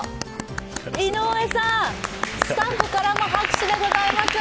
井上さん、スタッフからも拍手でございます。